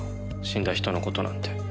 死んだ人の事なんて。